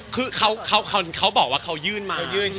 คือเขาบอกว่าเขายื่นมายื่น